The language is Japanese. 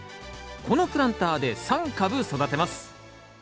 このプランターで３株育てます。